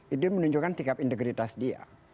itu menunjukkan sikap integritas dia